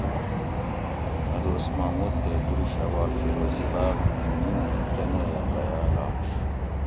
اَ دوس محمود تے دُرشھوار فیروزی باۤغ مئ نینیں کنئ ھہ بیاۤل آش